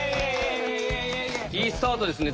いいスタートですね。